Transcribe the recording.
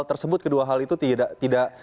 tersebut kedua hal itu tidak